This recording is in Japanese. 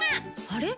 あれ？